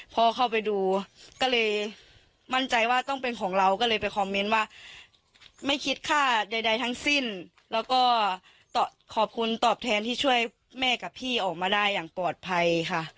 พอเข้าไปดูก็เลยมั่นใจว่าต้องเป็นของเราก็เลยไปคอมเมนต์ว่าไม่คิดค่าใดทั้งสิ้นแล้วก็ขอบคุณตอบแทนที่ช่วยแม่กับพี่ออกมาได้อย่างปลอดภัยค่ะ